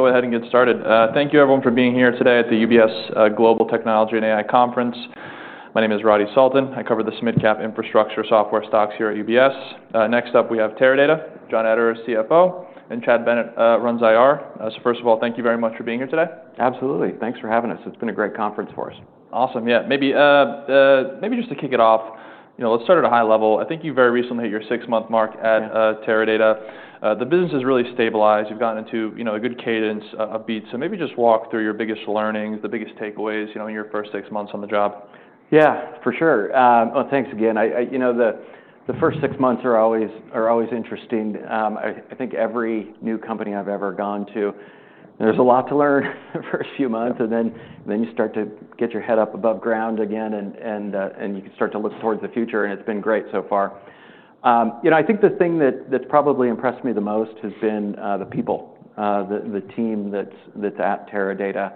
Go ahead and get started. Thank you everyone for being here today at the UBS Global Technology and AI Conference. My name is Radi Sultan. I cover the SMID Cap infrastructure software stocks here at UBS. Next up we have Teradata, John Ederer, CFO, and Chad Bennett, runs IR, so first of all, thank you very much for being here today. Absolutely. Thanks for having us. It's been a great conference for us. Awesome. Yeah. Maybe, maybe just to kick it off, you know, let's start at a high level. I think you very recently hit your six-month mark at Teradata. The business has really stabilized. You've gotten into, you know, a good cadence of beats. So maybe just walk through your biggest learnings, the biggest takeaways, you know, in your first six months on the job. Yeah. For sure. Oh, thanks again. I you know, the first six months are always interesting. I think every new company I've ever gone to, there's a lot to learn the first few months. And then you start to get your head up above ground again and you can start to look towards the future. And it's been great so far. You know, I think the thing that's probably impressed me the most has been the people, the team that's at Teradata,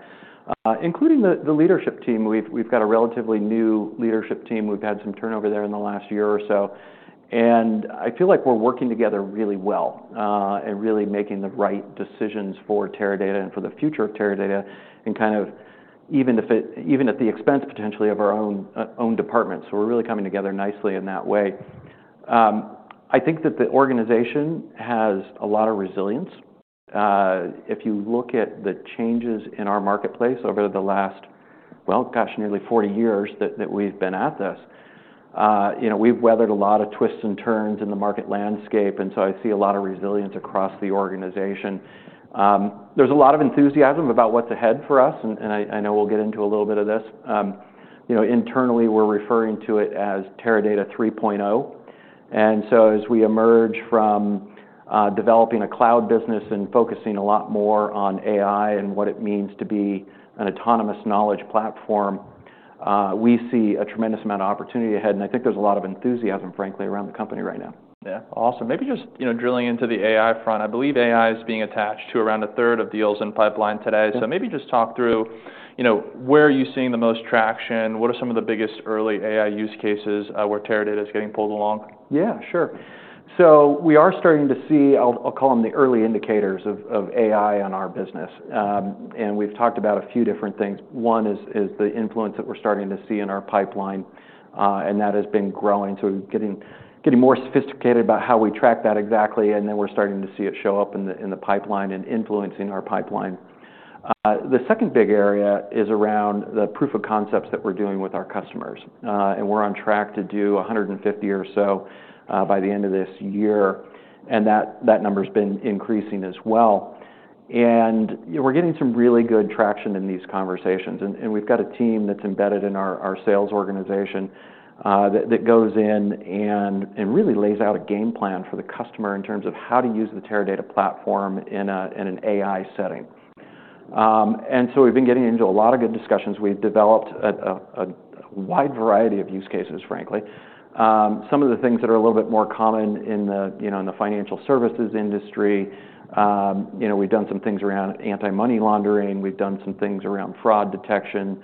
including the leadership team. We've got a relatively new leadership team. We've had some turnover there in the last year or so. I feel like we're working together really well, and really making the right decisions for Teradata and for the future of Teradata and kind of even if it, even at the expense potentially of our own own department. So we're really coming together nicely in that way. I think that the organization has a lot of resilience. If you look at the changes in our marketplace over the last, well, gosh, nearly 40 years that that we've been at this, you know, we've weathered a lot of twists and turns in the market landscape. And so I see a lot of resilience across the organization. There's a lot of enthusiasm about what's ahead for us. And, and I, I know we'll get into a little bit of this. You know, internally we're referring to it as Teradata 3.0. And so as we emerge from developing a cloud business and focusing a lot more on AI and what it means to be an Autonomous Knowledge Platform, we see a tremendous amount of opportunity ahead. And I think there's a lot of enthusiasm, frankly, around the company right now. Yeah. Awesome. Maybe just, you know, drilling into the AI front. I believe AI is being attached to around a third of deals in pipeline today. So maybe just talk through, you know, where are you seeing the most traction? What are some of the biggest early AI use cases, where Teradata is getting pulled along? Yeah. Sure. So we are starting to see, I'll call them the early indicators of AI on our business. And we've talked about a few different things. One is the influence that we're starting to see in our pipeline, and that has been growing. So we're getting more sophisticated about how we track that exactly. And then we're starting to see it show up in the pipeline and influencing our pipeline. The second big area is around the proof of concepts that we're doing with our customers. And we're on track to do 150 or so by the end of this year. And, you know, we're getting some really good traction in these conversations. We've got a team that's embedded in our sales organization that goes in and really lays out a game plan for the customer in terms of how to use the Teradata platform in an AI setting. So we've been getting into a lot of good discussions. We've developed a wide variety of use cases, frankly. Some of the things that are a little bit more common in the, you know, financial services industry. You know, we've done some things around anti-money laundering. We've done some things around fraud detection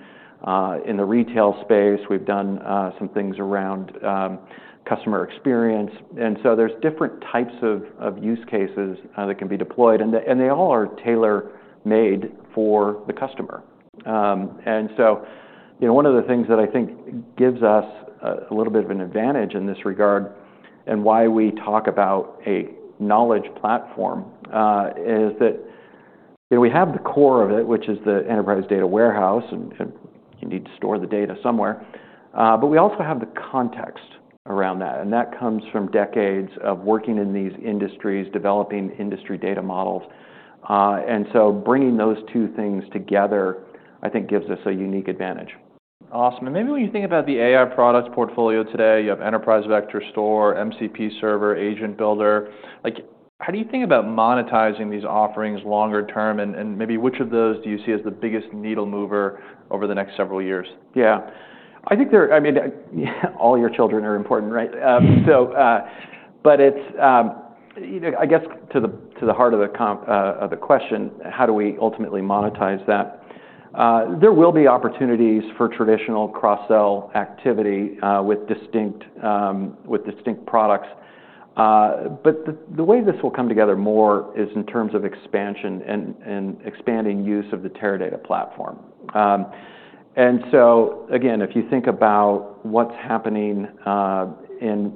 in the retail space. We've done some things around customer experience. So there's different types of use cases that can be deployed. They all are tailor-made for the customer. And so, you know, one of the things that I think gives us a little bit of an advantage in this regard and why we talk about a knowledge platform is that, you know, we have the core of it, which is the enterprise data warehouse, and you need to store the data somewhere, but we also have the context around that, and that comes from decades of working in these industries, developing industry data models, and so bringing those two things together, I think, gives us a unique advantage. Awesome. And maybe when you think about the AI product portfolio today, you have Enterprise Vector Store, MCP server, Agent Builder. Like, how do you think about monetizing these offerings longer term? And maybe which of those do you see as the biggest needle-mover over the next several years? Yeah. I think they're, I mean, all your children are important, right? So, but it's, you know, I guess to the heart of the question, how do we ultimately monetize that? There will be opportunities for traditional cross-sell activity with distinct products. But the way this will come together more is in terms of expansion and expanding use of the Teradata platform. And so again, if you think about what's happening in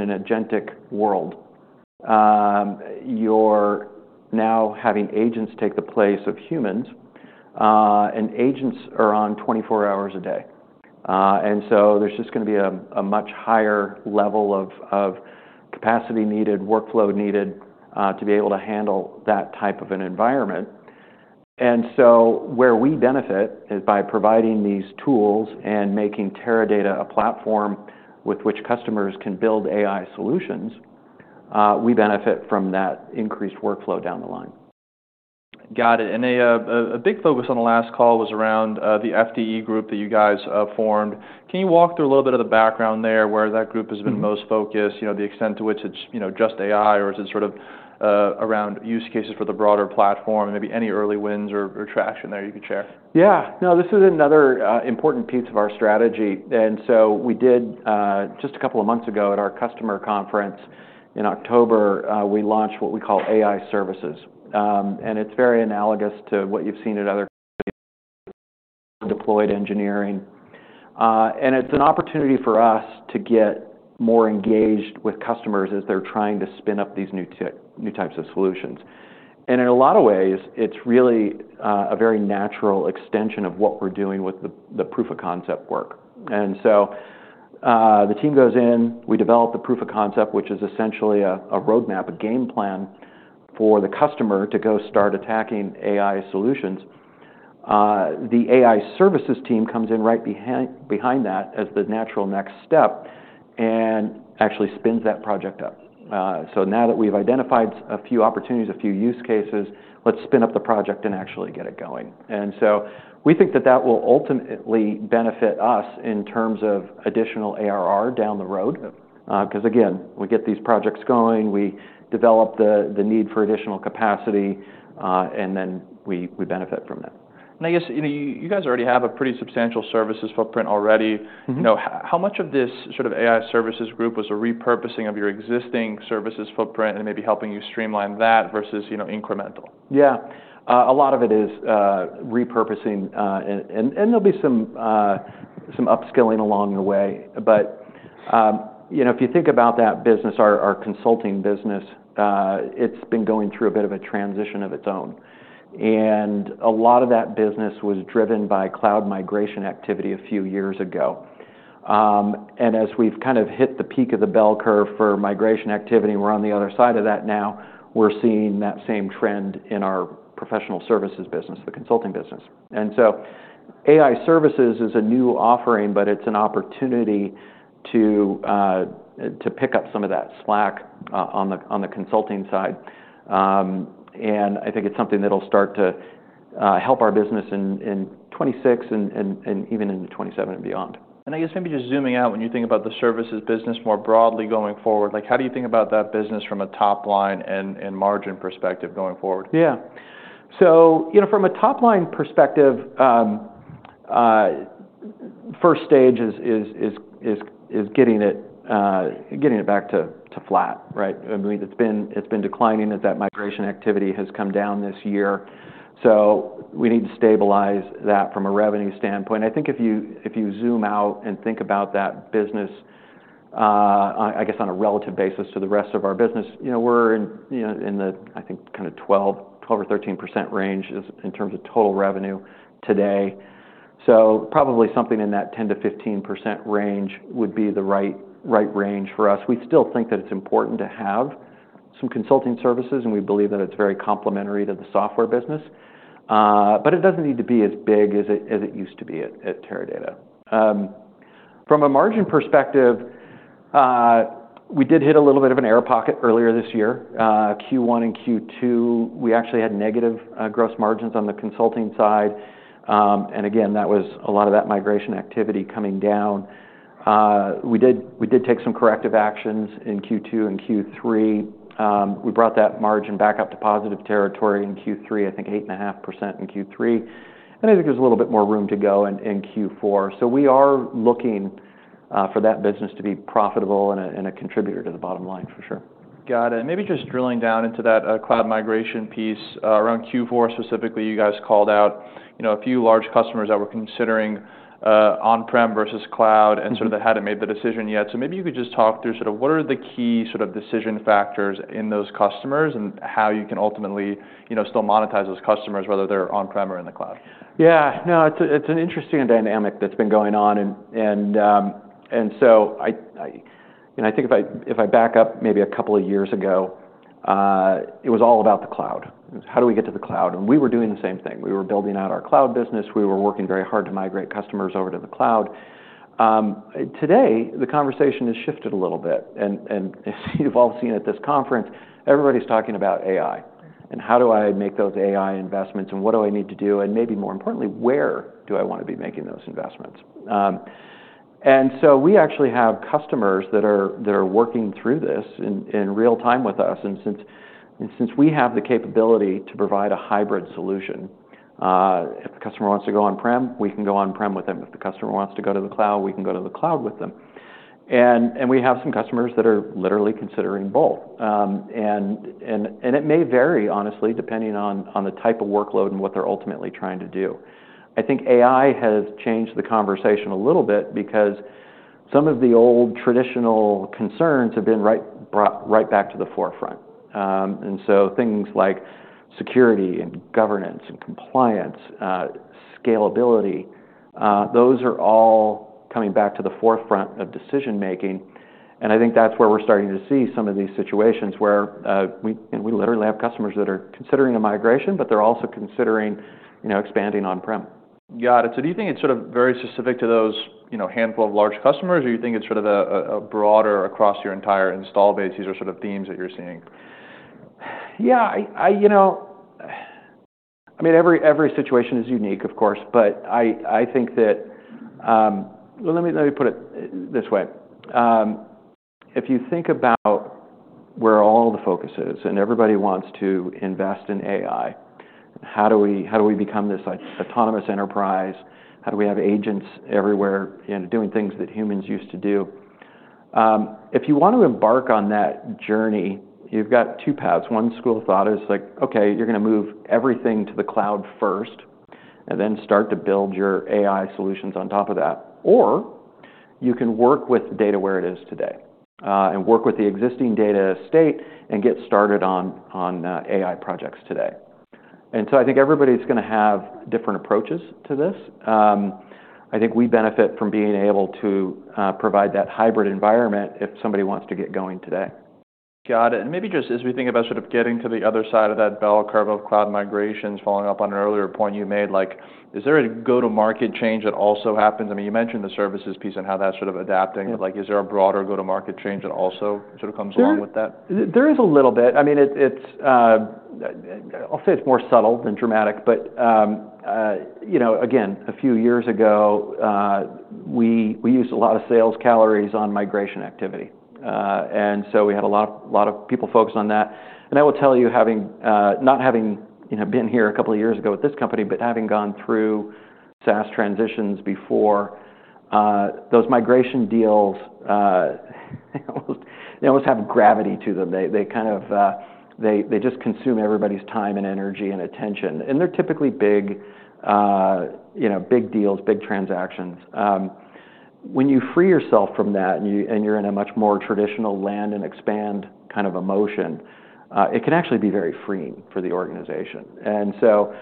an agentic world, you're now having agents take the place of humans. And agents are on 24 hours a day. And so there's just gonna be a much higher level of capacity needed, workflow needed, to be able to handle that type of an environment. And so where we benefit is by providing these tools and making Teradata a platform with which customers can build AI solutions. We benefit from that increased workflow down the line. Got it. And a big focus on the last call was around the FDE group that you guys formed. Can you walk through a little bit of the background there where that group has been most focused, you know, the extent to which it's, you know, just AI, or is it sort of around use cases for the broader platform and maybe any early wins or traction there you could share? Yeah. No, this is another important piece of our strategy. And so we did, just a couple of months ago at our customer conference in October, we launched what we call AI Services. And it's very analogous to what you've seen at other companies Deployed Engineering. And it's an opportunity for us to get more engaged with customers as they're trying to spin up these new tech, new types of solutions. And in a lot of ways, it's really a very natural extension of what we're doing with the Proof of Concept work. And so, the team goes in, we develop the Proof of Concept, which is essentially a roadmap, a game plan for the customer to go start attacking AI solutions. The AI Services team comes in right behind that as the natural next step and actually spins that project up. So now that we've identified a few opportunities, a few use cases, let's spin up the project and actually get it going. And so we think that that will ultimately benefit us in terms of additional ARR down the road. 'Cause again, we get these projects going, we develop the need for additional capacity, and then we benefit from that. I guess, you know, you, you guys already have a pretty substantial services footprint. Mm-hmm. You know, how much of this sort of AI services group was a repurposing of your existing services footprint and maybe helping you streamline that versus, you know, incremental? Yeah. A lot of it is repurposing. And there'll be some upskilling along the way. But you know, if you think about that business, our consulting business, it's been going through a bit of a transition of its own. And a lot of that business was driven by cloud migration activity a few years ago. And as we've kind of hit the peak of the bell curve for migration activity, we're on the other side of that now. We're seeing that same trend in our professional services business, the consulting business. And so AI Services is a new offering, but it's an opportunity to pick up some of that slack on the consulting side. And I think it's something that'll start to help our business in 2026 and even into 2027 and beyond. I guess maybe just zooming out, when you think about the services business more broadly going forward, like, how do you think about that business from a top line and margin perspective going forward? Yeah. So, you know, from a top line perspective, first stage is getting it back to flat, right? I mean, it's been declining as that migration activity has come down this year. So we need to stabilize that from a revenue standpoint. I think if you zoom out and think about that business, I guess on a relative basis to the rest of our business, you know, we're in the, I think, kind of 12-13% range in terms of total revenue today. So probably something in that 10-15% range would be the right range for us. We still think that it's important to have some consulting services, and we believe that it's very complementary to the software business. But it doesn't need to be as big as it, as it used to be at, at Teradata. From a margin perspective, we did hit a little bit of an air pocket earlier this year. Q1 and Q2, we actually had negative gross margins on the consulting side. And again, that was a lot of that migration activity coming down. We did, we did take some corrective actions in Q2 and Q3. We brought that margin back up to positive territory in Q3, I think 8.5% in Q3. And I think there's a little bit more room to go in, in Q4. So we are looking for that business to be profitable and a, and a contributor to the bottom line for sure. Got it. And maybe just drilling down into that cloud migration piece, around Q4 specifically, you guys called out, you know, a few large customers that were considering on-prem versus cloud and sort of that hadn't made the decision yet. So maybe you could just talk through sort of what are the key sort of decision factors in those customers and how you can ultimately, you know, still monetize those customers, whether they're on-prem or in the cloud? Yeah. No, it's an interesting dynamic that's been going on. And so I, you know, I think if I back up maybe a couple of years ago, it was all about the cloud. How do we get to the cloud? And we were doing the same thing. We were building out our cloud business. We were working very hard to migrate customers over to the cloud. Today, the conversation has shifted a little bit. And you've all seen at this conference, everybody's talking about AI and how do I make those AI investments and what do I need to do? And maybe more importantly, where do I want to be making those investments? And so we actually have customers that are working through this in real time with us. Since we have the capability to provide a hybrid solution, if the customer wants to go on-prem, we can go on-prem with them. If the customer wants to go to the cloud, we can go to the cloud with them. We have some customers that are literally considering both. It may vary, honestly, depending on the type of workload and what they're ultimately trying to do. I think AI has changed the conversation a little bit because some of the old traditional concerns have been brought right back to the forefront. So things like security and governance and compliance, scalability, those are all coming back to the forefront of decision-making. I think that's where we're starting to see some of these situations where you know we literally have customers that are considering a migration, but they're also considering you know expanding on-prem. Got it. So do you think it's sort of very specific to those, you know, handful of large customers, or do you think it's sort of a broader across your entire install bases or sort of themes that you're seeing? Yeah. I you know, I mean, every situation is unique, of course, but I think that, well, let me put it this way. If you think about where all the focus is and everybody wants to invest in AI, how do we become this autonomous enterprise? How do we have agents everywhere, you know, doing things that humans used to do? If you want to embark on that journey, you've got two paths. One school of thought is like, okay, you're gonna move everything to the cloud first and then start to build your AI solutions on top of that. Or you can work with data where it is today, and work with the existing data estate and get started on AI projects today. And so I think everybody's gonna have different approaches to this. I think we benefit from being able to provide that hybrid environment if somebody wants to get going today. Got it, and maybe just as we think about sort of getting to the other side of that bell curve of cloud migrations, following up on an earlier point you made, like, is there a go-to-market change that also happens? I mean, you mentioned the services piece and how that's sort of adapting. Yeah. But like, is there a broader go-to-market change that also sort of comes along with that? Yeah. There is a little bit. I mean, it's. I'll say it's more subtle than dramatic, but, you know, again, a few years ago, we used a lot of sales calories on migration activity, and so we had a lot of people focused on that. And I will tell you, not having, you know, been here a couple of years ago at this company, but having gone through SaaS transitions before, those migration deals, they almost have gravity to them. They kind of just consume everybody's time and energy and attention. And they're typically big, you know, big deals, big transactions. When you free yourself from that and you're in a much more traditional land and expand kind of motion, it can actually be very freeing for the organization. So,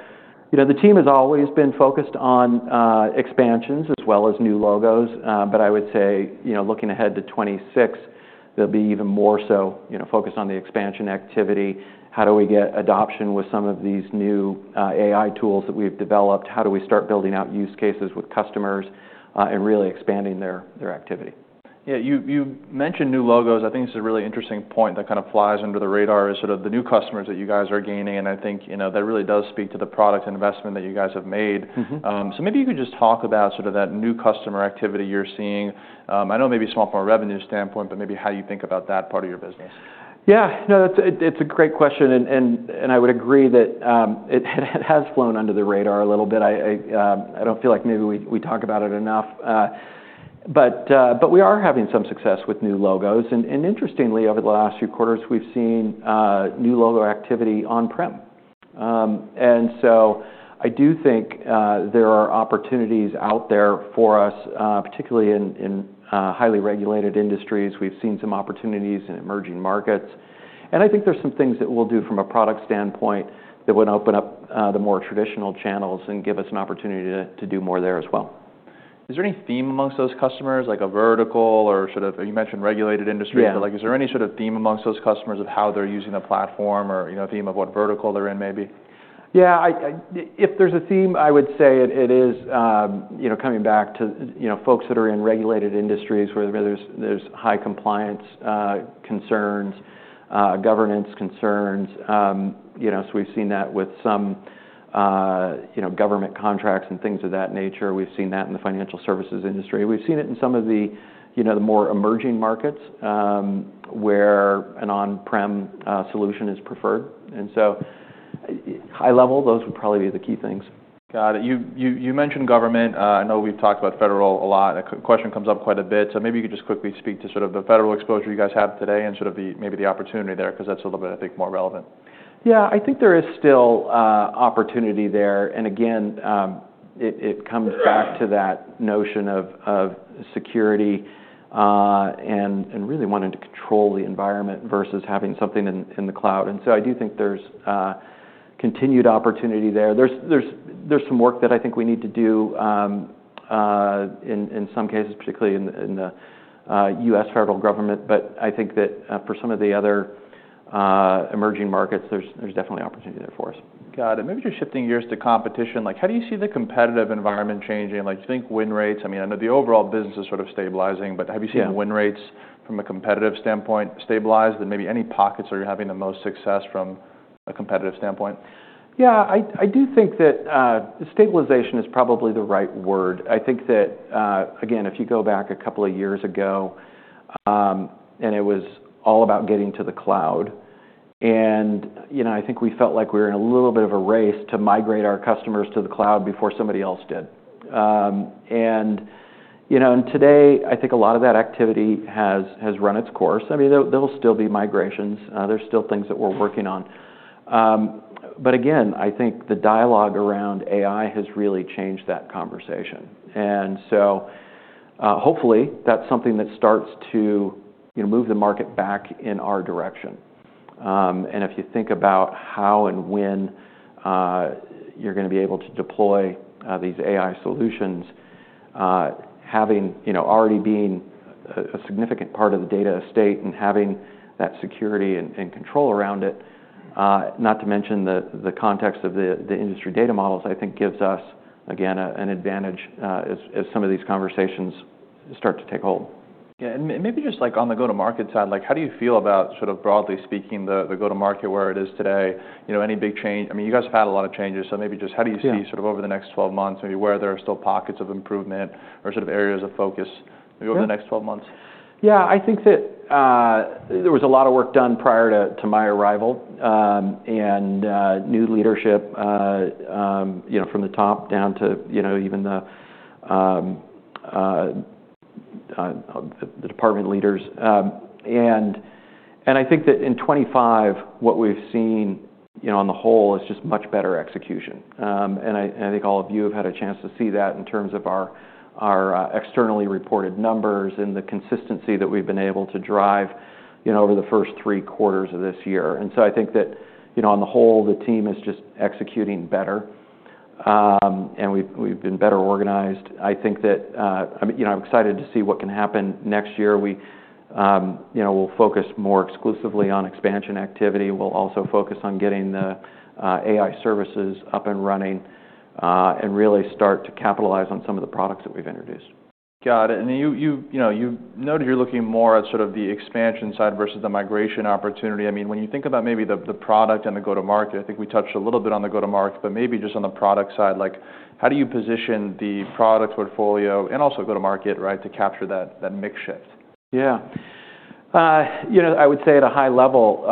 you know, the team has always been focused on expansions as well as new logos. But I would say, you know, looking ahead to 2026, there'll be even more so, you know, focused on the expansion activity. How do we get adoption with some of these new AI tools that we've developed? How do we start building out use cases with customers, and really expanding their, their activity? Yeah. You mentioned new logos. I think it's a really interesting point that kind of flies under the radar is sort of the new customers that you guys are gaining, and I think, you know, that really does speak to the product investment that you guys have made. Mm-hmm. So maybe you could just talk about sort of that new customer activity you're seeing. I know maybe from a revenue standpoint, but maybe how you think about that part of your business. Yeah. No, that's, it's a great question. I would agree that it has flown under the radar a little bit. I don't feel like maybe we talk about it enough. But we are having some success with new logos. Interestingly, over the last few quarters, we've seen new logo activity on-prem. So I do think there are opportunities out there for us, particularly in highly regulated industries. We've seen some opportunities in emerging markets. I think there's some things that we'll do from a product standpoint that would open up the more traditional channels and give us an opportunity to do more there as well. Is there any theme amongst those customers, like a vertical or sort of, you mentioned regulated industries? Yeah. But like, is there any sort of theme amongst those customers of how they're using the platform or, you know, theme of what vertical they're in maybe? Yeah. If there's a theme, I would say it is, you know, coming back to, you know, folks that are in regulated industries where there's high compliance concerns, governance concerns. You know, so we've seen that with some, you know, government contracts and things of that nature. We've seen that in the financial services industry. We've seen it in some of the, you know, the more emerging markets, where an on-prem solution is preferred. And so high level, those would probably be the key things. Got it. You mentioned government. I know we've talked about federal a lot. A question comes up quite a bit. So maybe you could just quickly speak to sort of the federal exposure you guys have today and sort of the, maybe the opportunity there 'cause that's a little bit, I think, more relevant. Yeah. I think there is still opportunity there. And again, it comes back to that notion of security, and really wanting to control the environment versus having something in the cloud. And so I do think there's continued opportunity there. There's some work that I think we need to do, in some cases, particularly in the U.S. federal government. But I think that for some of the other emerging markets, there's definitely opportunity there for us. Got it. Maybe just shifting gears to competition. Like, how do you see the competitive environment changing? Like, do you think win rates? I mean, I know the overall business is sort of stabilizing, but have you seen win rates from a competitive standpoint stabilized? And maybe any pockets are you having the most success from a competitive standpoint? Yeah. I do think that stabilization is probably the right word. I think that, again, if you go back a couple of years ago, and it was all about getting to the cloud. And, you know, I think we felt like we were in a little bit of a race to migrate our customers to the cloud before somebody else did. And, you know, today, I think a lot of that activity has run its course. I mean, there will still be migrations. There's still things that we're working on. But again, I think the dialogue around AI has really changed that conversation. And so, hopefully that's something that starts to, you know, move the market back in our direction. and if you think about how and when you're gonna be able to deploy these AI solutions, having, you know, already being a significant part of the data estate and having that security and control around it, not to mention the context of the industry data models, I think gives us, again, an advantage, as some of these conversations start to take hold. Yeah. And maybe just like on the go-to-market side, like, how do you feel about sort of broadly speaking, the go-to-market where it is today? You know, any big change? I mean, you guys have had a lot of changes. So maybe just how do you see sort of over the next 12 months, maybe where there are still pockets of improvement or sort of areas of focus maybe over the next 12 months? Yeah. I think that there was a lot of work done prior to my arrival, and new leadership, you know, from the top down to, you know, even the department leaders. And I think that in 2025, what we've seen, you know, on the whole is just much better execution. I think all of you have had a chance to see that in terms of our externally reported numbers and the consistency that we've been able to drive, you know, over the first three quarters of this year. And so I think that, you know, on the whole, the team is just executing better. We've been better organized. I think that, I mean, you know, I'm excited to see what can happen next year. We, you know, we'll focus more exclusively on expansion activity. We'll also focus on getting the AI Services up and running, and really start to capitalize on some of the products that we've introduced. Got it. And you know, you've noted you're looking more at sort of the expansion side versus the migration opportunity. I mean, when you think about maybe the product and the go-to-market, I think we touched a little bit on the go-to-market, but maybe just on the product side, like, how do you position the product portfolio and also go-to-market, right, to capture that mix shift? Yeah. You know, I would say at a high level,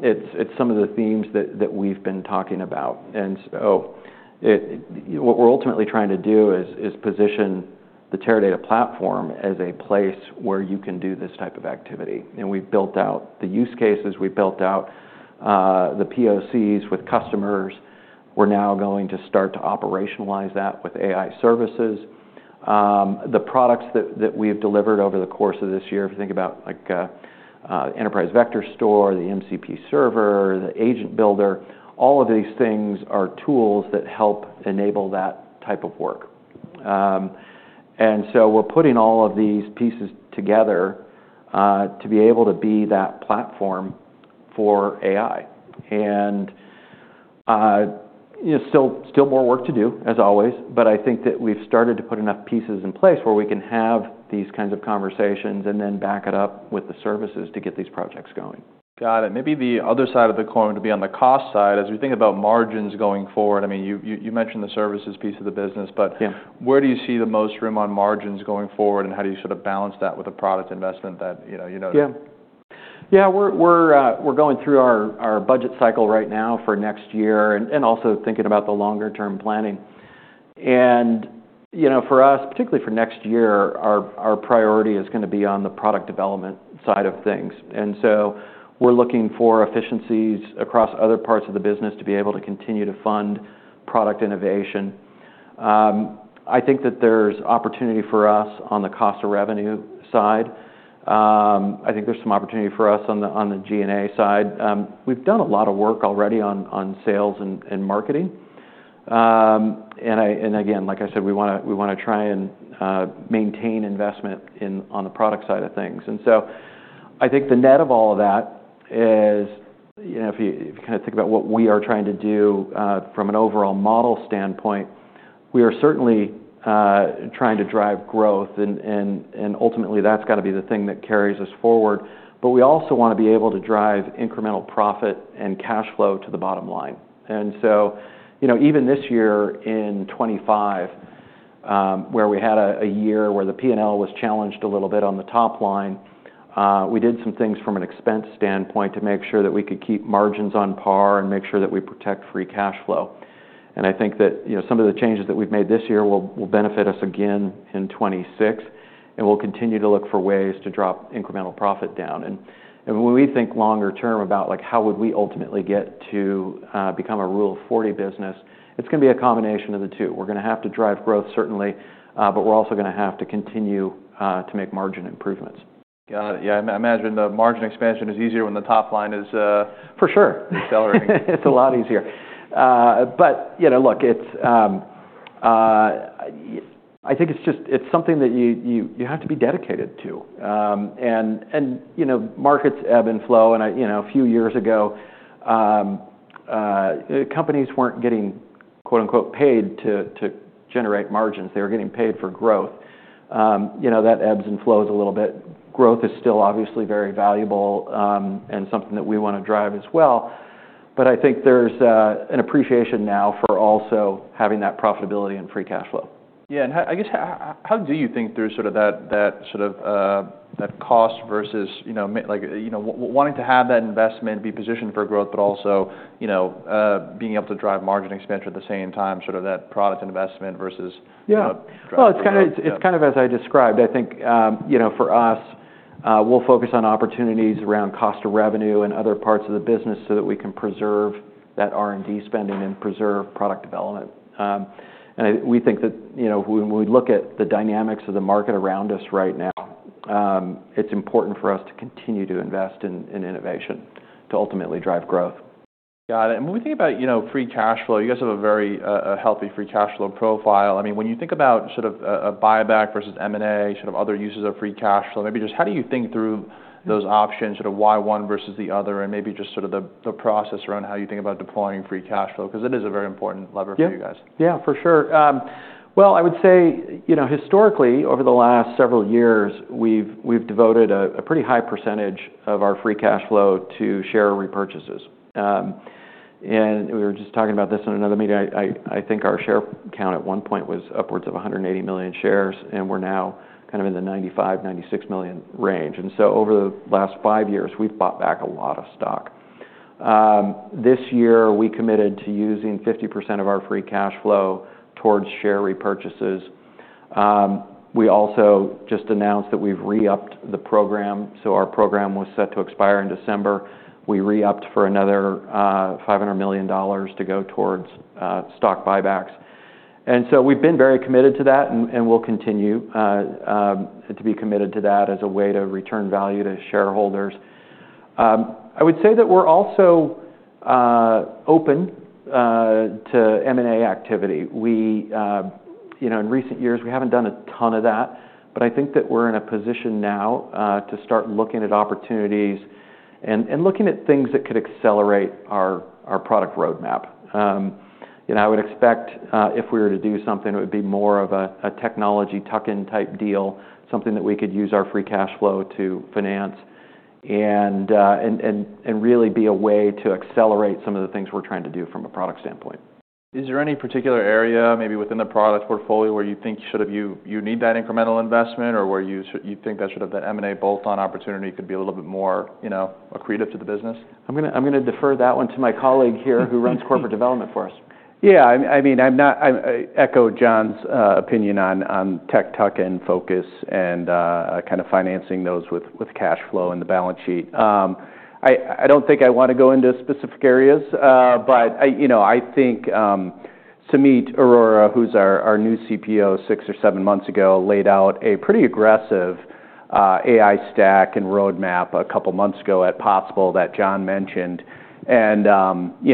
it's, it's some of the themes that, that we've been talking about. And so it, what we're ultimately trying to do is, is position the Teradata platform as a place where you can do this type of activity. And we've built out the use cases. We've built out, the POCs with customers. We're now going to start to operationalize that with AI Services. The products that, that we've delivered over the course of this year, if you think about like, Enterprise Vector Store, the MCP server, the Agent Builder, all of these things are tools that help enable that type of work. And so we're putting all of these pieces together, to be able to be that platform for AI. You know, still more work to do as always, but I think that we've started to put enough pieces in place where we can have these kinds of conversations and then back it up with the services to get these projects going. Got it. Maybe the other side of the coin would be on the cost side. As we think about margins going forward, I mean, you mentioned the services piece of the business, but. Yeah. Where do you see the most room on margins going forward, and how do you sort of balance that with a product investment that, you know, you know? Yeah. We're going through our budget cycle right now for next year and also thinking about the longer-term planning, and you know, for us, particularly for next year, our priority is gonna be on the product development side of things, so we're looking for efficiencies across other parts of the business to be able to continue to fund product innovation. I think that there's opportunity for us on the cost of revenue side. I think there's some opportunity for us on the G&A side. We've done a lot of work already on sales and marketing, and again, like I said, we wanna try and maintain investment in the product side of things. I think the net of all of that is, you know, if you kind of think about what we are trying to do, from an overall model standpoint, we are certainly trying to drive growth and ultimately that's gotta be the thing that carries us forward, but we also wanna be able to drive incremental profit and cash flow to the bottom line. You know, even this year in 2025, where we had a year where the P&L was challenged a little bit on the top line, we did some things from an expense standpoint to make sure that we could keep margins on par and make sure that we protect free cash flow. I think that, you know, some of the changes that we've made this year will benefit us again in 2026, and we'll continue to look for ways to drop incremental profit down. And when we think longer term about like, how would we ultimately get to become a Rule of 40 business, it's gonna be a combination of the two. We're gonna have to drive growth certainly, but we're also gonna have to continue to make margin improvements. Got it. Yeah. I imagine the margin expansion is easier when the top line is, For sure. Accelerating. It's a lot easier. But you know, look, I think it's just something that you have to be dedicated to. You know, markets ebb and flow. A few years ago, companies weren't getting "paid" to generate margins. They were getting paid for growth. You know, that ebbs and flows a little bit. Growth is still obviously very valuable, and something that we wanna drive as well. I think there's an appreciation now for also having that profitability and free cash flow. Yeah. And how, I guess, do you think there's sort of that cost versus, you know, like, wanting to have that investment be positioned for growth, but also, you know, being able to drive margin expansion at the same time, sort of that product investment versus, you know, driving? Yeah. Well, it's kind of as I described. I think, you know, for us, we'll focus on opportunities around cost of revenue and other parts of the business so that we can preserve that R&D spending and preserve product development. And we think that, you know, when we look at the dynamics of the market around us right now, it's important for us to continue to invest in innovation to ultimately drive growth. Got it. And when we think about, you know, free cash flow, you guys have a very, a healthy free cash flow profile. I mean, when you think about sort of a, a buyback versus M&A, sort of other uses of free cash flow, maybe just how do you think through those options, sort of why one versus the other, and maybe just sort of the, the process around how you think about deploying free cash flow? 'Cause it is a very important lever for you guys. Yeah. Yeah. For sure. Well, I would say, you know, historically, over the last several years, we've devoted a pretty high percentage of our free cash flow to share repurchases, and we were just talking about this in another meeting. I think our share count at one point was upwards of 180 million shares, and we're now kind of in the 95-96 million range, and so over the last five years, we've bought back a lot of stock. This year, we committed to using 50% of our free cash flow towards share repurchases. We also just announced that we've re-upped the program, so our program was set to expire in December. We re-upped for another $500 million to go towards stock buybacks. And so we've been very committed to that and we'll continue to be committed to that as a way to return value to shareholders. I would say that we're also open to M&A activity. We, you know, in recent years, we haven't done a ton of that, but I think that we're in a position now to start looking at opportunities and looking at things that could accelerate our product roadmap. You know, I would expect, if we were to do something, it would be more of a technology tuck-in type deal, something that we could use our free cash flow to finance and really be a way to accelerate some of the things we're trying to do from a product standpoint. Is there any particular area maybe within the product portfolio where you think you should have, you need that incremental investment or where you think that sort of the M&A bolt-on opportunity could be a little bit more, you know, accretive to the business? I'm gonna defer that one to my colleague here who runs corporate development for us. Yeah. I mean, I'm echoing John's opinion on tech tuck-in focus and kind of financing those with cash flow and the balance sheet. I don't think I wanna go into specific areas, but you know, I think Sumeet Arora, who's our new CPO six or seven months ago, laid out a pretty aggressive AI stack and roadmap a couple months ago at Possible that John mentioned. You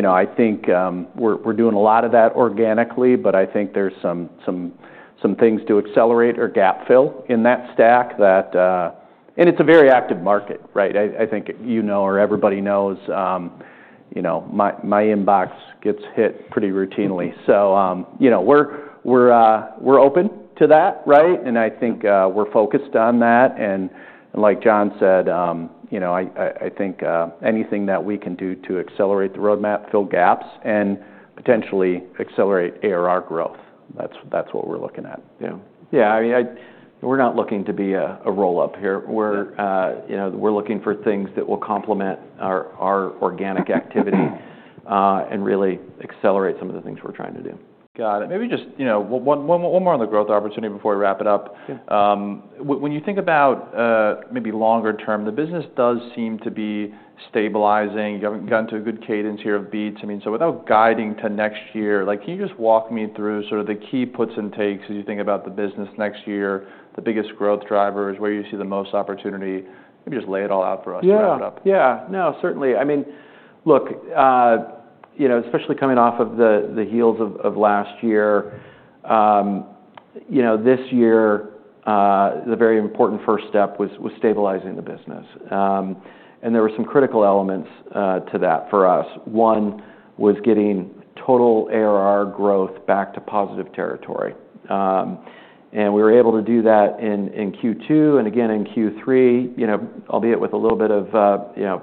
know, I think we're doing a lot of that organically, but I think there's some things to accelerate or gap fill in that stack, and it's a very active market, right? I think you know or everybody knows, you know, my inbox gets hit pretty routinely. You know, we're open to that, right? I think we're focused on that. Like John said, you know, I think anything that we can do to accelerate the roadmap, fill gaps, and potentially accelerate ARR growth. That's what we're looking at. Yeah. Yeah. I mean, we're not looking to be a roll-up here. You know, we're looking for things that will complement our organic activity, and really accelerate some of the things we're trying to do. Got it. Maybe just, you know, one more on the growth opportunity before we wrap it up. Yeah. When you think about, maybe longer term, the business does seem to be stabilizing. You haven't gotten to a good cadence here of beats. I mean, so without guiding to next year, like, can you just walk me through sort of the key puts and takes as you think about the business next year, the biggest growth drivers, where you see the most opportunity? Maybe just lay it all out for us to wrap it up. Yeah. Yeah. No, certainly. I mean, look, you know, especially coming off of the heels of last year, you know, this year, the very important first step was stabilizing the business. And there were some critical elements to that for us. One was getting total ARR growth back to positive territory. And we were able to do that in Q2 and again in Q3, you know, albeit with a little bit of, you know,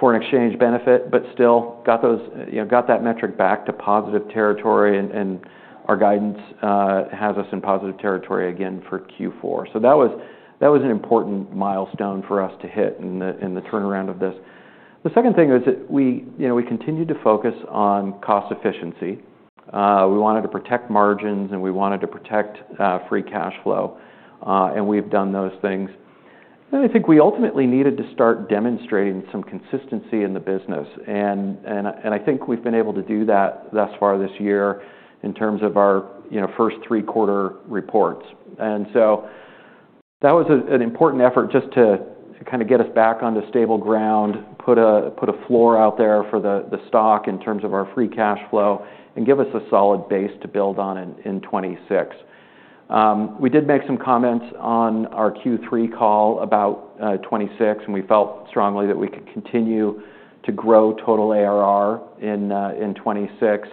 foreign exchange benefit, but still got that metric back to positive territory and our guidance has us in positive territory again for Q4. So that was an important milestone for us to hit in the turnaround of this. The second thing is that we, you know, we continued to focus on cost efficiency. We wanted to protect margins and we wanted to protect free cash flow. And we've done those things. And I think we ultimately needed to start demonstrating some consistency in the business. And I think we've been able to do that thus far this year in terms of our, you know, first three-quarter reports. And so that was an important effort just to kind of get us back onto stable ground, put a floor out there for the stock in terms of our free cash flow and give us a solid base to build on in 2026. We did make some comments on our Q3 call about 2026, and we felt strongly that we could continue to grow total ARR in 2026,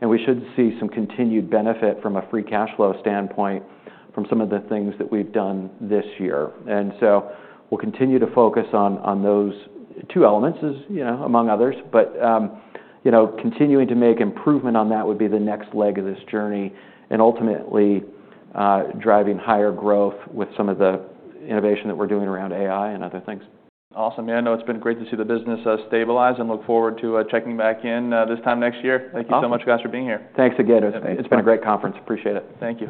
and we should see some continued benefit from a free cash flow standpoint from some of the things that we've done this year. And so we'll continue to focus on those two elements as, you know, among others, but you know, continuing to make improvement on that would be the next leg of this journey and ultimately driving higher growth with some of the innovation that we're doing around AI and other things. Awesome. Yeah. I know it's been great to see the business stabilize and look forward to checking back in this time next year. Awesome. Thank you so much, guys, for being here. Thanks again. It's been a great conference. Appreciate it. Thank you.